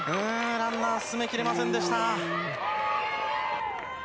ランナー、進めきれませんでした。